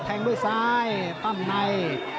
แทงด้วยซ้ายปั้มใน